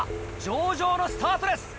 上々のスタートです。